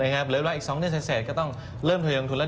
โดยเวลาอีก๒เดือนเศษก็ต้องเริ่มเถียงดังทุน